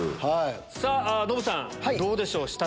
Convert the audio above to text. さぁノブさんどうでしょう？